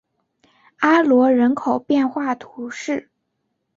阿罗人口变化图示